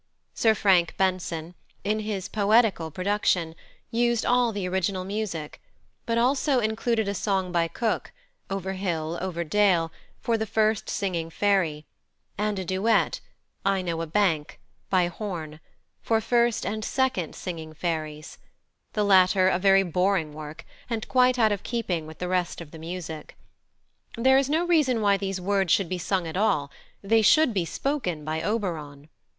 Sir Frank Benson, in his poetical production, used all the original music, but also included a song by Cooke, "Over hill, over dale," for the first singing fairy, and a duet, "I know a bank," by Horn, for first and second singing fairies: the latter a very boring work and quite out of keeping with the rest of the music. There is no reason why these words should be sung at all: they should be spoken by Oberon.